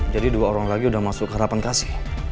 jadi dua orang lagi udah masuk ke harapan kasih